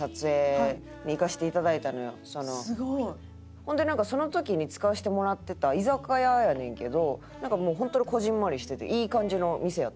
ほんでなんかその時に使わせてもらってた居酒屋やねんけどなんかもう本当にこぢんまりしてていい感じの店やってん。